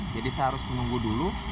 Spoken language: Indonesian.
jadi saya harus menunggu dulu